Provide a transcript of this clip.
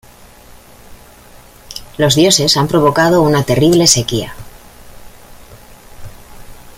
Los dioses han provocado una terrible sequía.